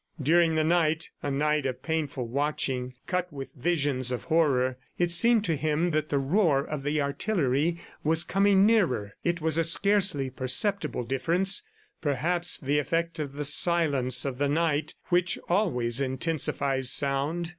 During the night a night of painful watching, cut with visions of horror, it seemed to him that the roar of the artillery was coming nearer. It was a scarcely perceptible difference, perhaps the effect of the silence of the night which always intensifies sound.